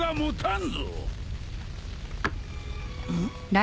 ん？